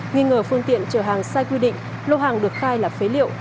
nghi ngờ phương tiện chở hàng sai quy định lô hàng được khai là phế liệu